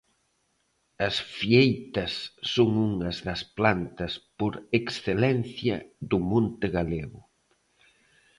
As fieitas son unhas das plantas por excelencia do monte galego.